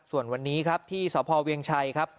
ส่วนวันนี้ครับที่สพเวียงชัยครับ